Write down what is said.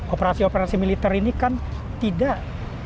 operasi operasi militer ini kan tidak